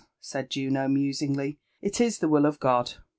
said Juno musingly, " it is the will of God.